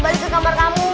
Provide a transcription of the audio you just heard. balik ke kamar kamu